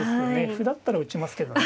歩だったら打ちますけどね。